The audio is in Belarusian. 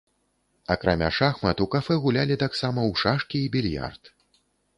Акрамя шахмат у кафэ гулялі таксама ў шашкі і більярд.